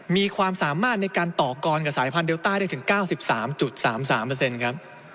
มีความสามารถในการต่อกรกับสายพันธุเดลต้าได้ถึง๙๓๓ครับ